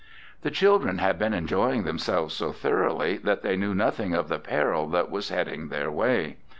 The children had been enjoying themselves so thoroughly that they knew nothing of the peril that was heading their way.